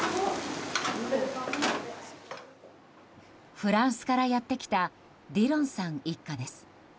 フランスからやってきたディロンさん一家です。